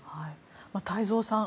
太蔵さん